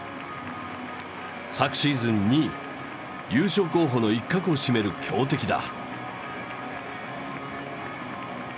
昨シーズン２位優勝候補の一角を占める強敵だ。